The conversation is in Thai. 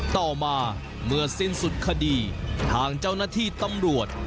ต่อมาเมื่อสิ้นสุดคดีทางเจ้าหน้าที่ตำรวจ